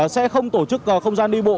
sẽ không tổ chức không gian đi bộ